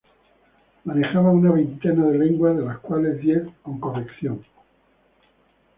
Manejaba una veintena de lenguas, de las cuales diez con corrección.